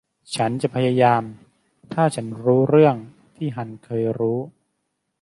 ฉันจะพยายามถ้าฉันรู้เรื่องที่ฮันเคยรู้